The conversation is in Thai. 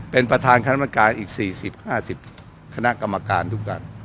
เป็นประธานคณะกรรมการอีก๔๐๕๐คณะกรรมการทุกการ